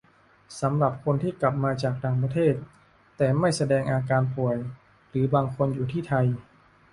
สำหรับคนที่กลับมาจากต่างประเทศ แต่ไม่แสดงอาการป่วย หรือบางคนอยู่ที่ไทย